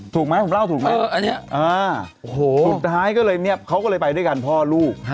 ถูกไหมผมเล่าถูกไหมอันนี้สุดท้ายก็เลยเนี่ยเขาก็เลยไปด้วยกันพ่อลูก